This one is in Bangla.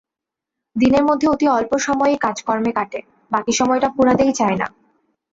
দিনের মধ্যে অতি অল্প সময়ই কাজ-কর্মে কাটে, বাকি সময়টা ফুরাইতে চায় না।